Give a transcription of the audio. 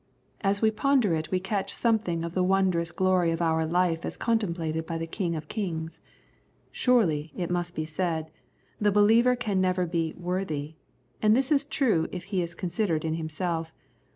As we ponder it we catch something of the wondrous gloiy of our life as contemplated by the King of Kings. Surely, it may be said, the believer can never be " worthy "; and this is true if he is considered in himself.